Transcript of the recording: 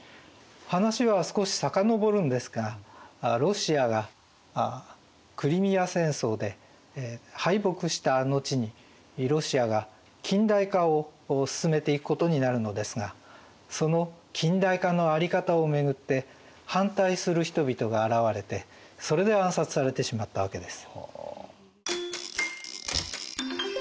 話は少し遡るんですがロシアがクリミア戦争で敗北した後にロシアが近代化を進めていくことになるのですがその近代化の在り方を巡って反対する人々が現れてそれで暗殺されてしまったわけです。